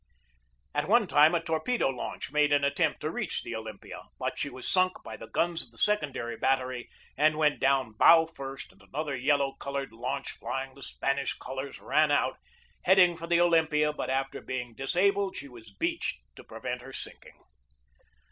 At one time a torpedo launch made an attempt to reach the Olympia, but she was sunk by the guns of the secondary battery and went down bow first, and another yellow colored launch flying the Spanish colors ran out, heading for the Olympia, but after being disabled she was beached to prevent her sink ing.